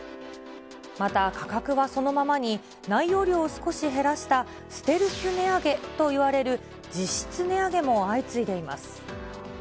また、価格はそのままに、内容量を少し減らしたステルス値上げといわれる実質値上げも相次いでいます。